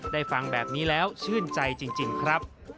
ฟังแบบนี้แล้วชื่นใจจริงครับ